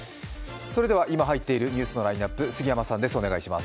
今入っているニュースのラインナップ、杉山さんです。